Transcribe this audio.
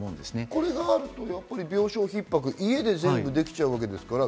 これがあると病床ひっ迫、家で全部できちゃうわけですから。